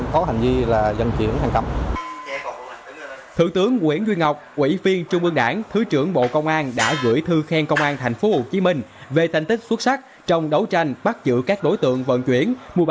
công an thành phố hồ chí minh đã phối hợp với công an thành phố hồ chí minh để tiến hành khám xét tại một mươi một địa điểm